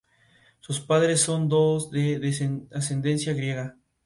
Presenta pequeñas protuberancias hacia el exterior en el borde al este y al noroeste.